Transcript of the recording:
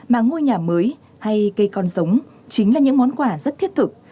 mà ngôi nhà mới hay cây con giống chính là những món quà rất thiết thực